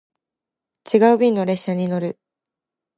違う便の列車に乗る